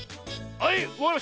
はい。